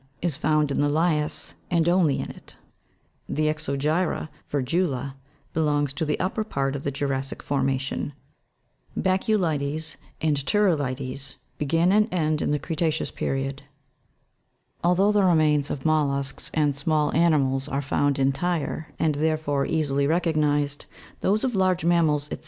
55), is found in the has, and only in it : the ex'ogy'ra vir'gula (fig. 109, p. 65), belongs to the upper part of ,the jura'ssic formation ; baculites (fig. 130), and turrili'tes (fig. 131, p. 72), begin and end in the creta'ceous period. 19. Although the remains of mollusks and small animals are found entire, and therefore easily recognised, those of large mam mals, &c.